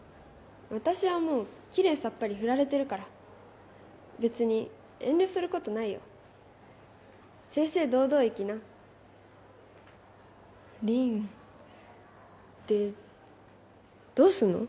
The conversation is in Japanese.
私はもうキレイさっぱりフラれてるから別に遠慮することないよ正々堂々いきな凛でどうすんの？